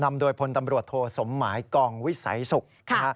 นำโดยพลตำรวจโทสมหมายกองวิสัยศุกร์นะฮะ